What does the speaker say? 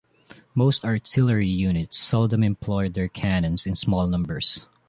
Most artillery units seldom employed their cannons in small numbers.